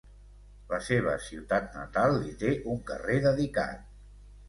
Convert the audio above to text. La seva ciutat natal li té un carrer dedicat.